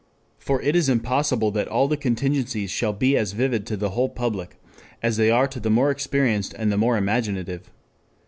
For it is impossible that all the contingencies shall be as vivid to the whole public as they are to the more experienced and the more imaginative.